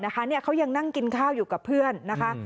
เขายังนั่งกินข้าวอยู่กับเพื่อนนะคะ